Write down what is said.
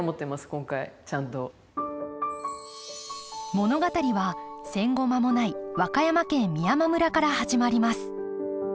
物語は戦後間もない和歌山県美山村から始まります。